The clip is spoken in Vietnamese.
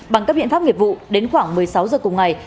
bằng các biện pháp nghiệp vụ đến khoảng một mươi sáu giờ cùng ngày